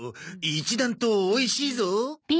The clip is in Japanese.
一段とおいしいぞ。